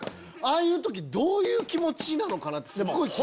ああいう時どういう気持ちなのかなって気になる。